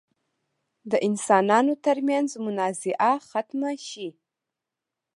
د انسانانو تر منځ منازعه ختمه شي.